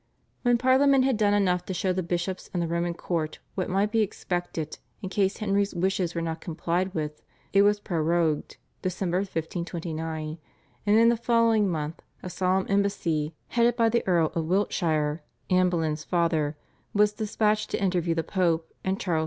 When Parliament had done enough to show the bishops and the Roman court what might be expected in case Henry's wishes were not complied with it was prorogued (Dec. 1529), and in the following month a solemn embassy headed by the Earl of Wiltshire, Anne Boleyn's father, was dispatched to interview the Pope and Charles V.